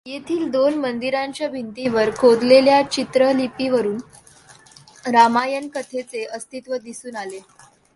येथील दोन मंदिरांच्या भिंतीवर खोदलेल्या चित्रलिपीवरून रामायण कथेचे अस्तित्व दिसून आले.